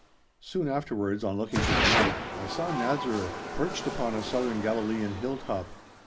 Soon afterwards, on looking to the north, I saw Nazareth perched upon a southern Galilean hill top.